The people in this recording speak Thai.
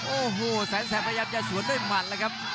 โอ้โหแสนแสบพยายามจะสวนด้วยหมัดแล้วครับ